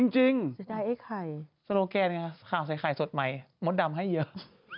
จริงเสียดายไอ้ไข่สโลแกนไงครับข่าวใส่ไข่สดใหม่มดดำให้เยอะ